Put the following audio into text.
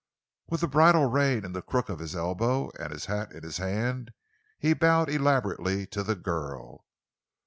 With the bridle rein in the crook of his elbow and his hat in his hand, he bowed elaborately to the girl.